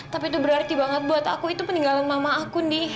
tapi itu berarti banget buat aku itu peninggalan mama aku nih